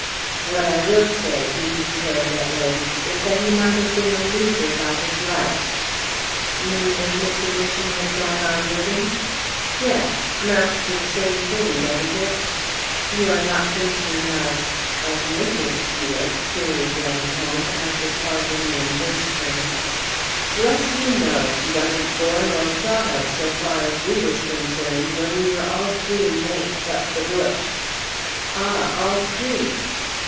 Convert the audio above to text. "What I will say," he declared at length, "is that he might have been a loser by his life!" "You mean if Mr. Minchin had gone on living?" "Yes amounts to the same thing, doesn't it?" "You are not thinking of of Mrs. Steel?" queried Langholm, after pausing in his turn. "Bless you, no! She wasn't born or thought of, so far as we was concerned, when we were all three mates up the bush." "Ah, all three!"